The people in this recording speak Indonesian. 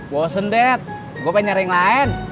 bosen dad gue pengen nyari yang lain